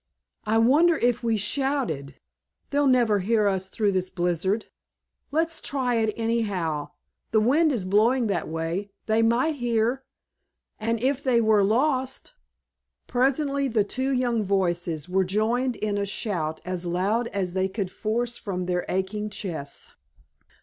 "I wonder if we shouted——" "They'd never hear us through this blizzard." "Let's try it anyhow. The wind is blowing that way. They might hear—and if they were lost——" Presently the two young voices were joined in a shout as loud as they could force from their aching chests.